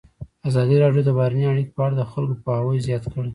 ازادي راډیو د بهرنۍ اړیکې په اړه د خلکو پوهاوی زیات کړی.